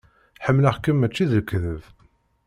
Ḥemmleɣ-kem mačči d lekdeb.